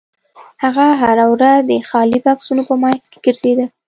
هغه هره ورځ د خالي بکسونو په مینځ کې ګرځیده